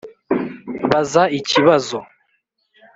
baza ikibazo